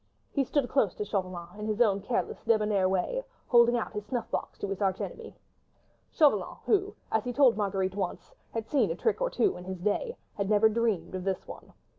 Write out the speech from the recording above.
He stood close to Chauvelin in his own careless, débonnaire way, holding out his snuff box to his arch enemy. Chauvelin, who, as he told Marguerite once, had seen a trick or two in his day, had never dreamed of this one.